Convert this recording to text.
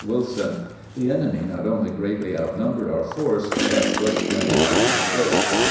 Wilson. The enemy not only greatly outnumbered our force but was splendidly equipped.